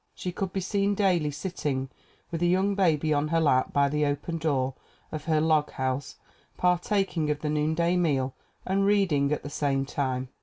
She could be seen daily sitting with a young baby on her lap by the open door of her log house partaking of the noonday meal and reading at the same time.